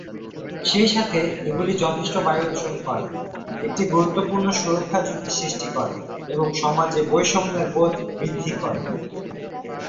সেইসাথে এগুলি যথেষ্ট বায়ু দূষণ করে, একটি গুরুত্বপূর্ণ সুরক্ষা ঝুঁকি সৃষ্টি করে এবং সমাজে বৈষম্যের বোধ বৃদ্ধি করে।